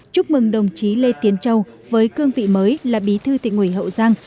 chúc mừng đồng chí lê tiến châu với cương vị mới là bí thư tỉnh ủy hậu giang